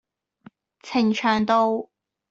呈祥道